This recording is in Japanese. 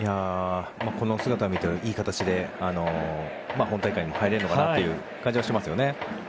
この姿を見たらいい形で本大会に入れるのかなという感じはしますよね。